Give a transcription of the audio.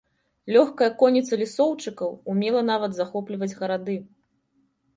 Лёгкая конніца лісоўчыкаў умела нават захопліваць гарады.